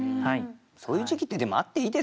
そういう時期ってでもあっていいですよね。